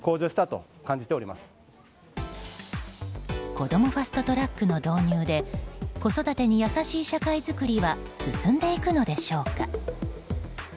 こどもファスト・トラックの導入で子育てに優しい社会作りは進んでいくのでしょうか。